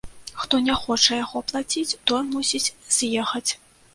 Хто не хоча яго плаціць, той мусіць з'ехаць.